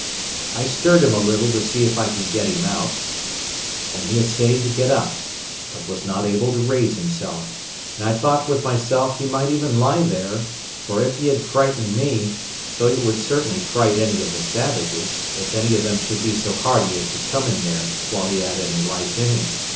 I stirred him a little to see if I could get him out, and he essayed to get up, but was not able to raise himself; and I thought with myself he might even lie there—for if he had frightened me, so he would certainly fright any of the savages, if any of them should be so hardy as to come in there while he had any life in him.